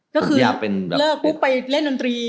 ก็คืออยากเลิกปุ๊บไปเล่นดนตรี